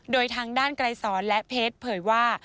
โดยทางด้านไกรสอนและเพชรเผยว่า